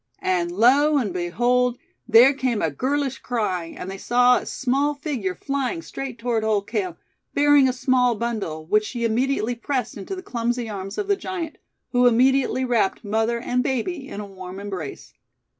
And lo and behold, there came a girlish cry, and they saw a small figure flying straight toward Old Cale, bearing a small bundle, which she immediately pressed into the clumsy arms of the giant, who immediately wrapped mother and baby in a warm embrace.